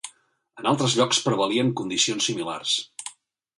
En altres llocs prevalien condicions similars.